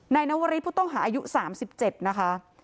นายนวริสผู้ต้องหาอายุ๓๗นะคะ